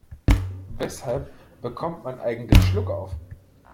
Weshalb bekommt man eigentlich Schluckauf?